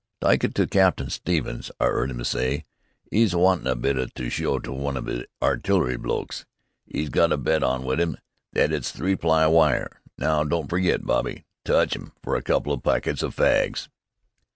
"Tyke it to Captain Stevens. I 'eard 'im s'y 'e's wantin' a bit to show to one of the artill'ry blokes. 'E's got a bet on with 'im that it's three ply wire. Now, don't forget, Bobby! Touch 'im fer a couple o' packets o' fags!"